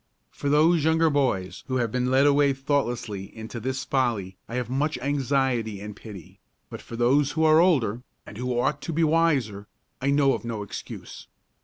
For those younger boys who have been led away thoughtlessly into this folly I have much anxiety and pity; but for those who are older, and who ought to be wiser, I know of no excuse.